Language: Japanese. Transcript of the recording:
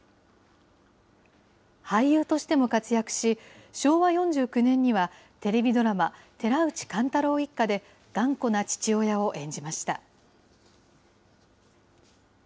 俳優としても活躍し、昭和４９年にはテレビドラマ、寺内貫太郎一家で頑固な父親を演じました。